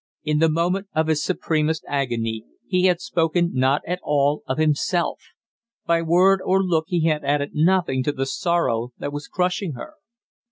In the moment of his supremest agony, he had spoken not at all of himself; by word or look he had added nothing to the sorrow that was crushing her.